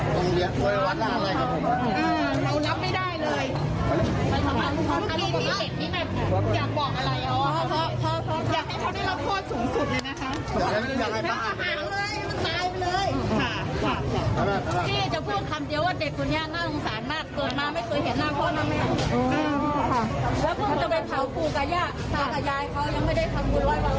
พูดมั้ยพี่พูดมั้ยครับ